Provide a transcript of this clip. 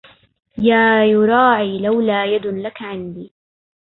يا يراعي لولا يد لك عندي